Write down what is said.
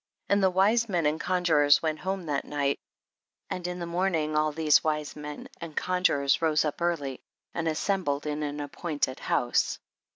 5. And the wise men and conju rors went home that night, and in the morning all these wise men and con jurors rose up early, and assembled in an appointed house.